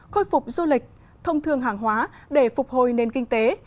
khôi phục du lịch thông thương hàng hóa để phục hồi nền kinh tế